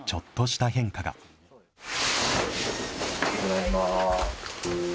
ただいま。